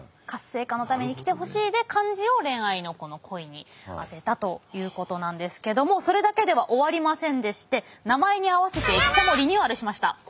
「活性化のために来てほしい」で漢字を恋愛の「恋」に当てたということなんですけどもそれだけでは終わりませんでして名前に合わせて駅舎もリニューアルしました。